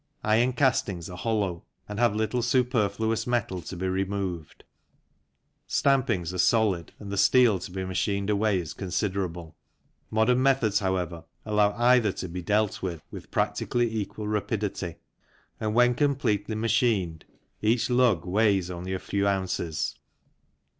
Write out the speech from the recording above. Iron castings are hollow and have little superfluous metal to be removed, stampings are solid and the steel to be machined away is considerable. Modern methods, however, allow either to be dealt with with practically equal rapidity, and when completely machined each lug weighs only a few ounces.